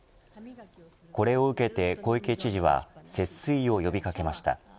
これを受けて小池知事は節水を呼び掛けました。